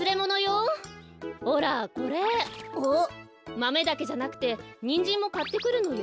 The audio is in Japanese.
マメだけじゃなくてニンジンもかってくるのよ。